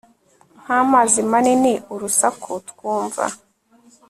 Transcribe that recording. Nkamazi manini urusaku twumva